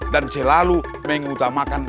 dan selalu mengutamakan